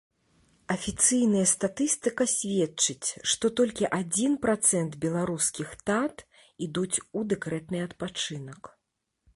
Афіцыйная статыстыка сведчыць, што толькі адзін працэнт беларускіх тат ідуць у дэкрэтны адпачынак.